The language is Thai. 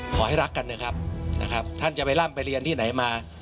ขอให้รักกันนะครับท่านจะไปร่ำไปเรียนที่ไหนมา